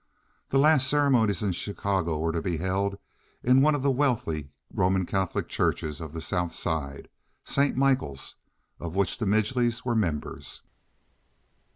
The last ceremonies in Chicago were to be held in one of the wealthy Roman Catholic churches of the South Side, St. Michael's, of which the Midgelys were members.